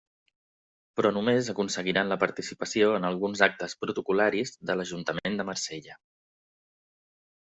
Però només aconseguiran la participació en alguns actes protocol·laris de l'Ajuntament de Marsella.